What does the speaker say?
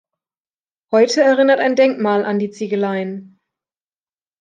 Heute erinnert ein Denkmal an die Ziegeleien.